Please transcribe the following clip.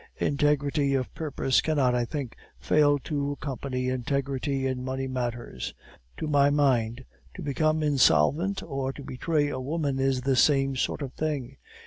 Integrity of purpose cannot, I think, fail to accompany integrity in money matters. To my mind, to become insolvent or to betray a woman is the same sort of thing.